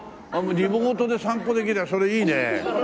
リモートで散歩できればそれいいね！